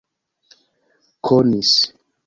konis